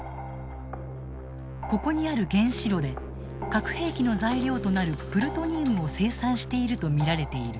ここにある原子炉で核兵器の材料となるプルトニウムを生産していると見られている。